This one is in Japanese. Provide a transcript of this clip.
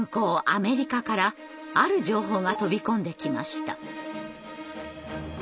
アメリカからある情報が飛び込んできました。